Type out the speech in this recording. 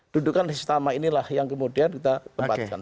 dudukan sesama inilah yang kemudian kita tempatkan